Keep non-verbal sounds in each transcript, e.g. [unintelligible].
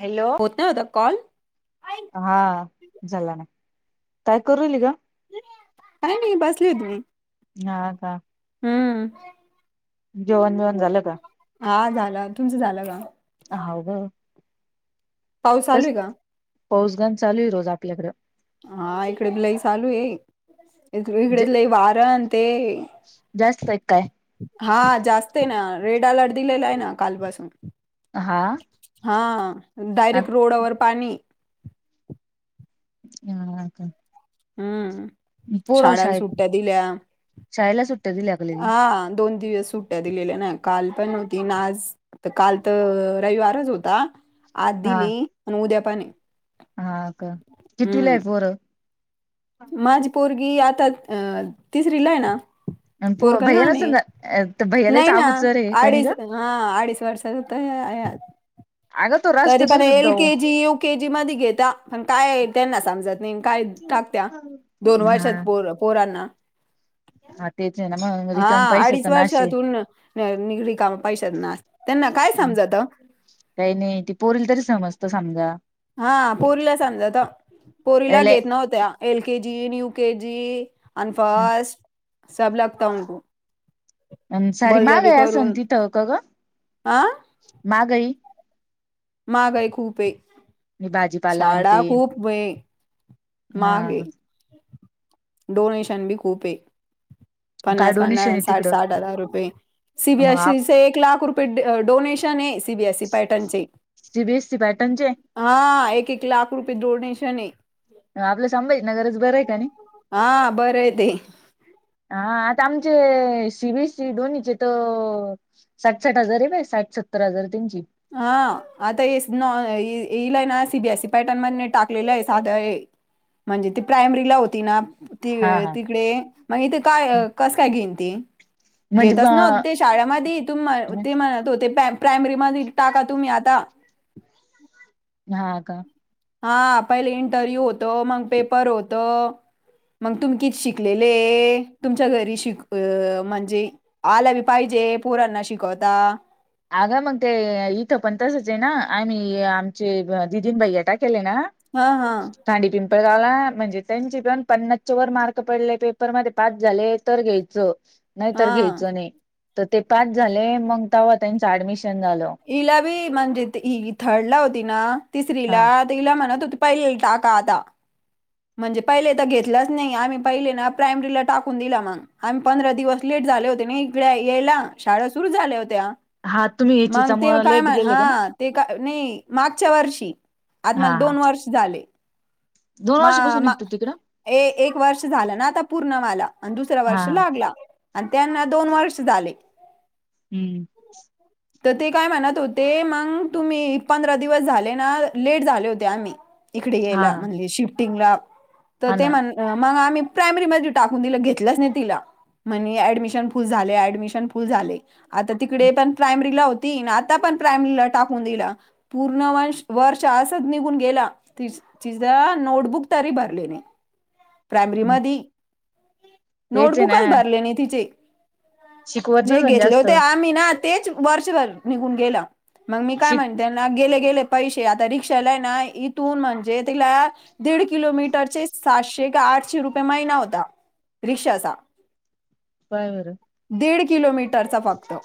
Hello. होत नाही होता कॉल? हा झाला ना, काय करू राहिली ग? काही नाही बसली होती मी. हा का. हम्म जेवण बीवण झालं का? हा झाल. तुमचं झालं का? हो ग. पाऊस चालूये का? पाऊस गंज चालू आहे रोज आपल्याकडे. हा इकडे बी लई चालू आहे. इकडे लई वार न ते. जास्त आहे की काय? हा जास्त आहे ना. रेड अलर्ट दिलेला आहे ना कालपासून. हा. हा डायरेक्ट रोडावर पाणी [inaudible] हम्म. पर शाळांना शाळेत सुट्ट्या दिल्या. शाळेला सुट. हा दोन दिवस उठ. दिलेल्या ना काल पण होती ना आज तर काल तर रविवारच होता. आ हा दिली आणि उद्यापने. हा का किटूला आहे पोर. माझी पोरगी आता अ तिसरी ला आहे ना. आणि पो पोरगा भैया ना लहान ये. समजा तर भैयालाच नाही ना अगोचर आहे का नाही ग अडीच हा अडीच वर्षाच होत ह्या अगं तो तरी पण रस्त्यातून सुद्धा एल हो केजी यू के जी मध्ये घेता पण काय त्यांना समजल? नाही काय टाकत्या दोन हा वर्षात पोर पोरांना? [unintelligible] तेच आहे ना मग? हा रिकाम अडीच पैशाचा नाश वर्षातून निघडी काम पैशातन असते. त्यांना काय आहे समजात. काही नाही ती पोरील तरी समजत समजा हा पूरीला समजाता. पोरीला घेत नव्हत्या. L K G U K G अनफास्ट सब लागताको. अ सारी मा ग्या स करून तिथ क ग आ मा गई. मागय खूप आहे मी भाजीपाला आण ते झाडा खूप. हा मागे डोनेशन बी खूप आहे. काय पन्नास डोनेशन आहे पन्नास साठ तिकडं साठ हजार रुपये मग सीबीएसईचे एक लाख रुपये. डोनेशन आहे सी बीएसई पयटनचे. सीबीएसी पाॅटनचे. हा एक एक लाख रुपये डोनेशन आहे. आपलं सांभायच ना गरज बरं आहे का नाही. हा बरं आहे ते हा आता आमचे सी वसी दो्हीचे त. साठ साठ हजार आहे बा साठ सत्तर हजार त्यांची. हा आता नॉ येलय ना सीबीएस सी पॅटर्न मध्ये टाकलेलं आहे साधं. म्हणजे ती प्रायमरीला होती ना. त हा हा तिकडे मग इथे काय कसं काय घेईन ती. म्हणजे घेतच न ते शाळेमध्ये त ते म्हणत हो प्रायमरीमध्ये. टाका तम्ही आता. हा का? हा... पहिले इंटरव्ह्यू होतो... मग पेपर होतं. मग तुम्ही किती शिकलेलेए... तुमच्या घरी शिक... अ... म्हणजे आलं बी पाहिजे... पोरांना शिकवता अगं मग ते... इथं पण तसंच ए ना... आम्ही... आमचे दीदी अन भैया टाकेल है ना हा हा. खांडी पिंपळ गावला... म्हणजे त्यांचे पन पन्नासच्या वर मार्क पडले... पेपरमध्ये पास झाले तर घ्यायचं. नाही हा तर घ्यायचं नई... तर ते पास झाले मग तव्हा त्यांचं ऍडमिशन झालं. ईला बी म्हणजे हि थर्डला होती ना... तिसरी हा ला तिला म्हणत होते, पहिलीला टाका आता. म्हणजे पहिले तर घेतलंच नाई... आम्ही पहिले ना... प्रायमरीला टाकून दिलं मग. आम्ही पंधरा दिवस लेट झाले होते ना इकडे यायला... शाळा सुरु झाल्या होत्या. हा तुम्ही एचीचा मग... ते मुळ काय.... लेट म्ह... गेले का नाही हा ते काय... नई... मागच्या वर्षी... आता हा मला हा दोन वर्ष झाले. दोन मा वर्षापासून मा... निघतो तिकडं ए.. एक वर्ष झालं ना आता पूर्ण माला. आणि दुसरा हा वर्ष हा लागला... आणि त्यांना दोन वर्ष झाले. हम्म. तर ते काय म्हणत होते... मग तुम्ही पंधरा दिवस झाले ना... लेट झाले होते आम्ही. इकडे हा यायला... हा म्हणजे शिफ्टिंगला तर हा ते ना म्हण मग आम्ही प्रायमरी मध्ये टाकून दिलं... घेतलंच नाई तिला. म्हणे ॲडमिशन फुल झालय... ॲडमिशन फुल झाले. आता तिकडे पण प्रायमरीला होती.... आता पण प्रायमरीला टाकून दिलं पूर्ण वंश... वर्ष असच निघून गेलं ति... तिचं नोटबुक तरी भरली नाई.... प्रायमरी मधी. तेच आहे ना नोटबुकच भरले नाही तिचे... शिकवत जे नसन घेतले जास्त होते आम्ही ना तेच वर्षभर निघून गेलं... मग मी काय शिक म्ह त्यांना गेले गेले पैसे... आता रिक्षाला ए ना इथून म्हणजे तिला दीड किलोमीटरचे सातशे का आठशे रुपये महिना होता. रिक्षाचा. पहाय बरं. दीड किलोमीटरचा फक्त.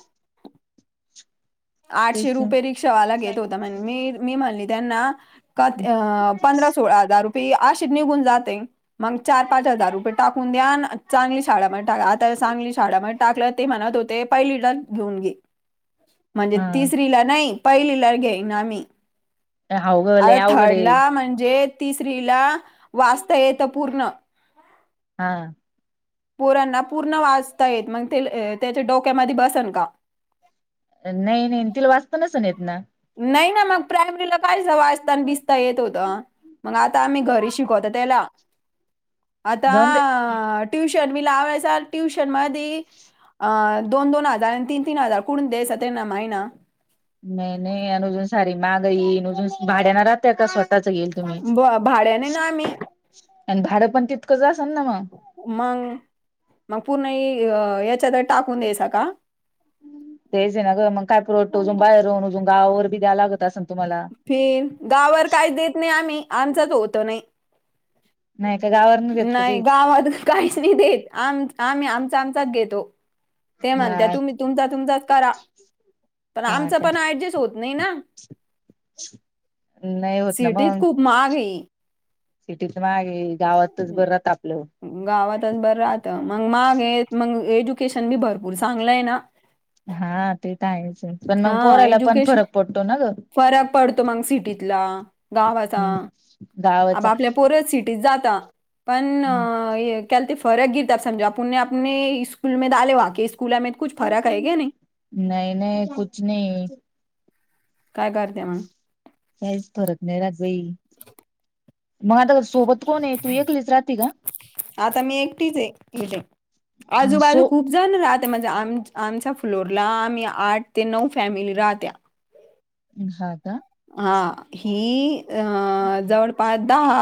आठशे तेच रुपये रिक्षावाला घेत होता... म्हण मी मी म्हणली त्यांना कां... अं... पंधरा सोळा हजार रुपये... अशे निघून जातील. मग चार पाच हजार रुपये टाकून द्या... अन चांगली शाळामध्ये टाका... आता चांगली शाळामध्ये टाकल्यावर ते म्हणत होते... पहिलीडन घेऊन घे. म्हणजे हा तिसरीला नई... पहिलीला घेईना मी. अवघड लय आता अवघड आहे थर्डला म्हणजे... तिसरीला वाचता येतं पूर्ण. हां. पोरांना पूर्ण वाचता येत... मग ते त्याच्या डोक्यामध्ये बसन का? नई नई.... तिला वाचता नसण येत ना? नई ना मग... प्रायमरीला कायचं वाचता अन बिचता येत होतं मग आता आम्ही घरी शिकवतो त्याला. आता जाऊन दे ट्युशन बी लावायचा... ट्युशन मधी अ दोन दोन हजार तीन तीन हजार कुून दे्यास माहिना नाही नाही अ अजून सारी मागाईन अजून भाड्याना राहतेय का स्वतःच येेईल. ब- भाड्याने ना आम्ही आणि भाडं पण तितकंच असेल ना मग. मग मग पूर्ण ह याच्यात टाकून द्यायचा का. तेच आहे ना मग काय पुरटतो अजून बाहेर राहन अजून गावावर बी द्याव लागत असे ना तुम्हाला. फिर गावर काही देत नाही आम्ही आमचाच होतो नाही. नाही का गावावर देत का नाही चीज गावातच काहीच नाही देत आम आम्ही आमचा आमचाच घेतो. ते म्हणत हा तुम्ही तुमचा तुमचाच करा. पण हा आमच काय पण ऍडजस्ट होत नाही ना. नाही होत ना मग. मागे, सिटीत मागे गावातच बरं राहात आपलं. गावातच बरं राहतं मग माग हे मग एज्युकेशन बी भरपूर चांगलंय ना. हा ते तर आहेच. पण हा मग पोरायला पण एज्युकेशन फरक पडतो ना ग फरक पडतो मग सिटीतला गावाचा हम्म आप गावाचा आपल्या परोत सिटीत जाता पण अ काल ते फरक गिता समजा आप पुने आपने स्कूल ाले वके स्कूला आम कु फर्क आहे का नाही. नाही नाही कुछ नाही. काय करते मग. काहीच फरक नाही राहात बाई. [inaudible] मग आता सोबत कोण आहे तू एकलीच राहती का आता मी एकटीच आहे इकड का आजूबाजू सो खूप जण म्हणजे आम आमच्या फ्लोरला आम्ही आठ ते नऊ फॅमिली राहत्या हा का हा ही अ जवळपास दहा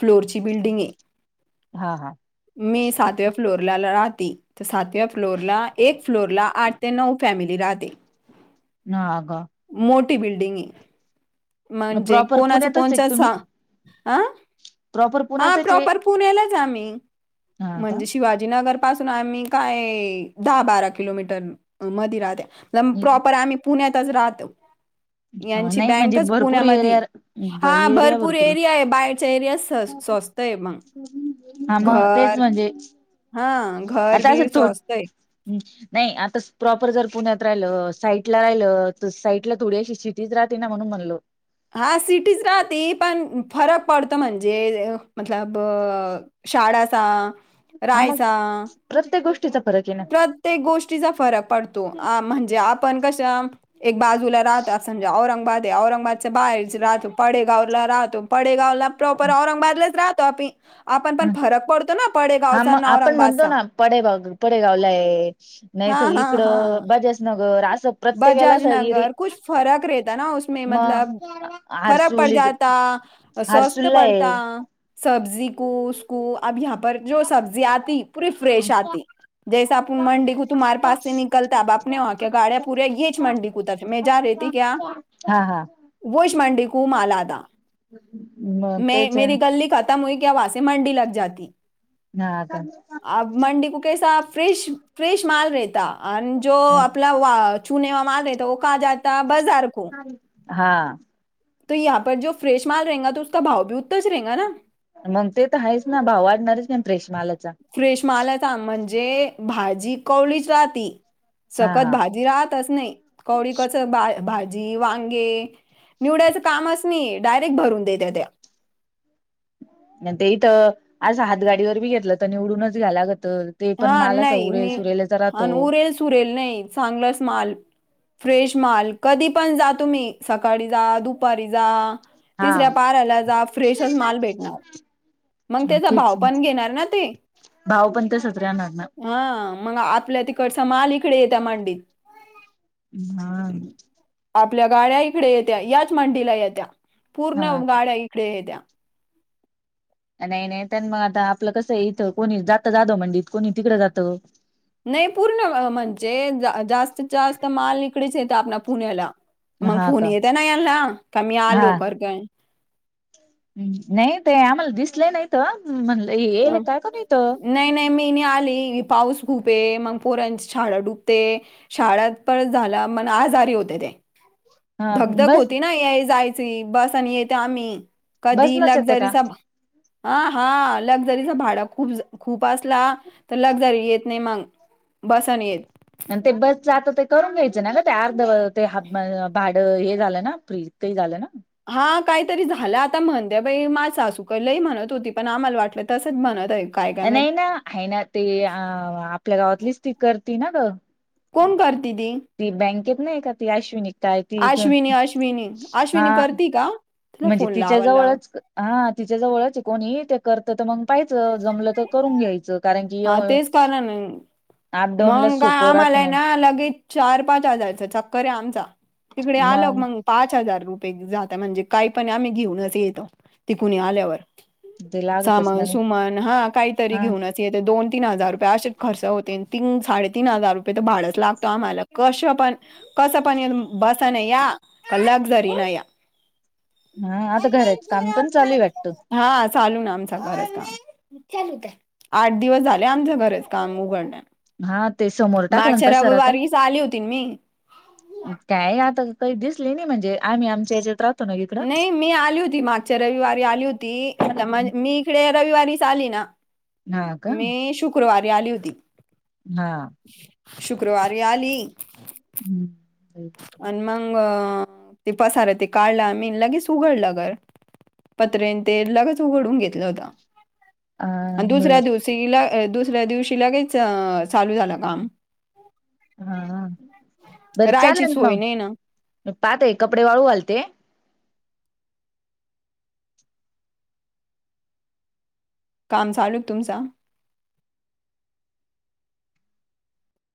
फ्लोरची बिल्डिंग आहे हा हा मी सातव्या फ्लोर, राह तर सातव्या फ्लोर ला एक फ्लोर ला आठ ते नऊ फॅमिली राहते. ना अगं मोठी बिल्डिंग आहे म्हणजे प्रॉपर कोणाच पुण्यातच आहे का कोणच तुम्ही ह प्रॉपर हा पुण्यातच आहे प्रॉपर पुण्यालाच हाय आम्ही हा का? म्हणजे शिवाजीनगर. आम्ही काय दहा बारा किलोमीटर म राह हा, प्रॉपर आमी पुण्यातच राहातो. यांची नाही म्हणजे बँकच भरपूर पुण्यामध्ये एरिया हा भरपूर एरिया आहे बाहेरच्या एरिया स स्वस्त आहे मग. हा मग तेच घर म्हणजे हा घर आता असं बिर थो स्वस्त आहे नाही आता प्रॉपर जर पुण्यात राहिलं साईटला राहिलं तर साईटला थोडीशी सिटीत राहते ना म्हणून म्हणलो हा सिटीच राहते पण फरक पडतो म्हणजे मतलब शाळाचा हा मग राहायचं प्रत्येक गोष्टीचा फरक आहे ना प्रत्येक गोष्टीचा फरक पडतो म्हणजे आपण कशा एक बाजूला राह त समजा औरंगाबाद ते औरंगाबादच्या बाहेरच राहतो पडेगावला राहतो पडेगावला प्रॉपर औरंगाबादलाच राहतो आम्ही आपण पण फरक पडतो ना पडे हा गावचा मग ना आपण म्हणतो औरंगाबादचा. ना पडेगाव पडेगावला आहे नाही हा तर इकड बजाज नगर असं प्रत्येकाला असं एरि बजाजनगर कुछ फरक रेहता ना उसमे मग मतलब फरक पड हरसूल जाता स्वस्थ हरसूलला पडता आहे. सब्जी को उसको अब यहा पर जो सब्जी आती परी फ्रेश आती जैस आपून मंडी को तुम्हारे पासे निकलता आपने वह क्या गाड्या पुरे येच मंडी को तरफ मै जा रह ती क्या? हा हा वहीच मंडी को माल आता मग तेच मेरी गल्ली का तन्वी के यहासे मंडी लगेच जाती हा आता आप मंडे को कैसा फ्रेश फ्रेश माल रहता अन जो आपला चुने का माल कहा जात बाजर को हा तो यहा पर जो फ्रेश माल रहेंगा तो उसका भाव भी उतना हिच रहेगांना. म्हणते तर आहेच ना [unintelligible] फ्रेश मालाचा म्हणजे भाजी कवळीच राहती. हा सकत हा भाजी राहतच नाही कवळी कस भा-भाजी वांगे निवडाचं कामच नाही डायरेक्ट भरून देते त्या ते इथ आज हात गाडीवर बी घेतलं तर निवडूनच घ्याया लागत. ते पण हा माला अस नाही उरले नि सुरेलाचा राहतो. आणि उरेल सुरेल नाही चांगलंच माल फ्रेश माल कधी पण जा तुम्ही सकाळी जा दुपारी जा. हा तिसऱ्या पाऱ्याला जा फ्रेशच माल भेटणार. मंग त्याचा भाव तेच पण घेणार ना ते भाव पण तसच राहणार ना हा मग आपल्या तिकडचा माल इकडे येत्या मंडीत हा [unintelligible] आपल्या गाड्या इकडे येत्या याच मंडीला येत्या पूर्ण हा. गाड्या इकडे येत्या. नाही नाही त्यां मग आता आपलं कसय इथं कोणी जात जात मंडई कोणी तिकडं जातं. नाही पूर्ण म्हणजे जास्तीत जास्त माल इकडेच येत आपल पुण्याला मग हा फोन का येत ना यानला का मी आलो करकन. हम नाहीत आम्हाला दिसलं नाहीत म्हणल येल हं. काय करल इथ. नाही नाही मी नाही आली पाऊस खूपये मग पोरांची शाळा डुबते. शाळेत पण झाला पण आजारी होते ते. हा धगधग बस होती ना या जायची बस आणि येते आम्ही कधी बसनच येते का लक्झरीचा ब हा हा लक्झरीच भाडं खूप - खूप असला तर लक्झरी येत नाही मंग. बसानी येत. आणि ते बस जात ते करून घ्यायचं ना ना ते अर्ध ते हाफ भाडं हे झालं ना फ्री काही झालं ना. हा काहीतरी झालं आता म्हणते बाई मा सासू का लई म्हणत होती पण आम्हाला वाटलं तसंच म्हणत आहेत. नाही ना आहे ना ते अ आपल्या गावातलीच ती करती ना ग. कोण करती ती. ती बँकेत नाही का ती आश्विनि काय ती अश्विनी, अश्विनी. हा अश्विनी करती का? तिला म्हणजे फोन लावायला लाव तिच्याजवळच हा तिच्या जवळच कोणी ते करत तर मग पाहियचं जमलं तर करून घ्यायचं. कारण की हा तेच कारण अपडाऊन ला मंग काय सोपं राहत आम्हाला हे ना लगेच चार पाच हजारयचं चक्कर आहे आमचा तिकडे आलं मग मंग पाच हजार रुपये जाता म्हणजे काही पण आम्ही घेऊनच येतो तिकुणी आल्यावर ते लागतच सामन ना सुमन हा काहीतरी हा घेऊनच दोन तीन हजार रुपये असे खर्च होते तीन साडेतीन हजार रुपये तर भाडंच लागत आम्हाला कश पण कसं पण येन बसा न या लक्झरी न या हा आता घराच काम पण चालूय वाटतं. हा चालू ना आमचा घराच काम चालू द्या आठ दिवस झाले आमच्या घराच काम उघडण्या हा ते समोर टाकलं ना मागच्या पसार आता. रविवारीच आली होती मी काय आता काही दिसले नाही म्हणजे आम्ही आमच्या ह्याजात राह नाही मी आली होती मागच्या रविवारी आली होती आता मी इकडे रविवारीच आली ना. हा का मी शुक्रवारी आली होती. हा शुक्रवारी आली. हम्म आण मग ते पसार ते काढल मीन आम्ही लगेच उघडलं घर पत्रेन ते लगेच उघडून घेतल होत. अ अन दुसऱ्या बर दिवशी दुसऱ्या दिवशी लगेच चालू झालं काम हा हा बरं राहायची चालेल सोय नाही ना मग पाहते कपडे वाळू घालते. काम चालूक तुमच